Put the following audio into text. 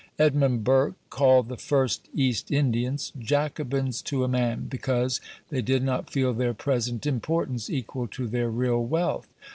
Edmund Burke called the first East Indians, "Jacobins to a man," because they did not feel their "present importance equal to their real wealth".